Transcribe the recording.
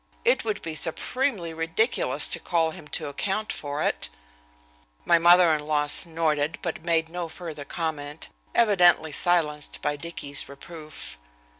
It would be supremely ridiculous to call him to account for it." My mother in law snorted, but made no further comment, evidently silenced by Dicky's reproof.